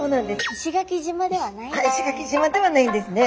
石垣島ではないんですね。